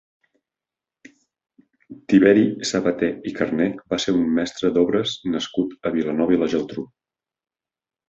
Tiberi Sabater i Carné va ser un mestre d'obres nascut a Vilanova i la Geltrú.